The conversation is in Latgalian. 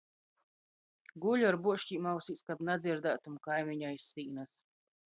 Guļu ar buoškim ausīs, kab nadzierdātum kaimiņu aiz sīnys.